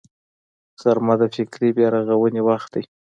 غرمه د فکري بیا رغونې وخت دی